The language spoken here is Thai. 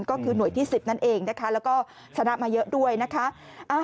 ก็คือหน่วยที่๑๐นั่นเองนะคะแล้วก็ชนะมาเยอะด้วยนะคะ